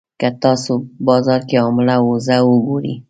که تاسو بازار کې حامله اوزه وګورئ.